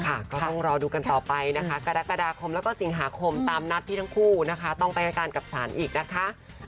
ก็ต้องรอดูกันต่อไปนะคะกรกฎาคมแล้วก็สิงหาคมตามนัดที่ทั้งคู่นะคะต้องไปให้การกับศาลอีกนะคะ